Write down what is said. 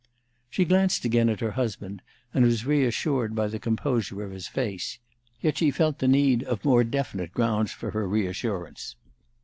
She glanced again at her husband, and was reassured by the composure of his face; yet she felt the need of more definite grounds for her reassurance.